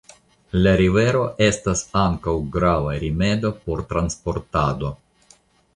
La rivero estas ankaŭ grava rimedo por transportado.